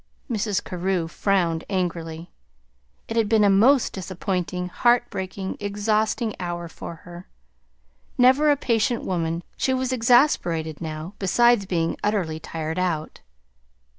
Mrs. Carew frowned angrily. It had been a most disappointing, heart breaking, exhausting hour for her. Never a patient woman, she was exasperated now, besides being utterly tired out.